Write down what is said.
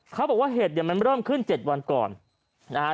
เขาบอกว่าเหตุเนี่ยมันเริ่มขึ้น๗วันก่อนนะฮะ